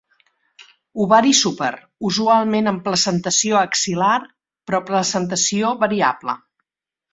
Ovari súper, usualment amb placentació axil·lar, però placentació variable.